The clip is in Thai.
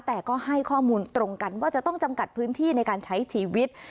แต่ก็ให้ข้อมูลตรงกันว่าจะต้องจำกัดพื้นที่ในการใช้ชีวิต